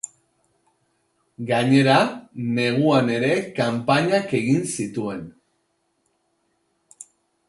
Gainera, neguan ere kanpainak egin zituen.